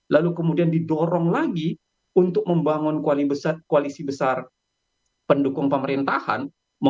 lalu kemudian didorong lagi untuk membangun koalisi besar pendukung pemerintahan